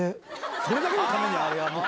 それだけのためにあれ？